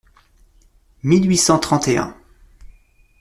mille huit cent trente et un.